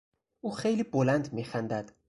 او خیلی بلند میخندد.